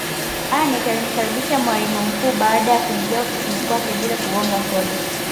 aneth alimkaribisha mwalimu mkuu baada ya kuingia ofisini kwake bila kugonga hodi